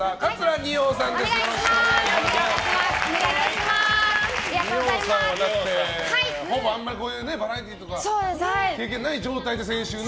二葉さんはこういうバラエティーとか経験がない状態で先週ね。